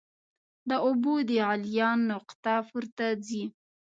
د اوبو د غلیان نقطه پورته ځي.